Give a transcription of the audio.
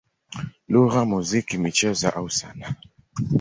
lugha, muziki, michezo au sanaa.